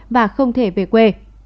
và không thể về quê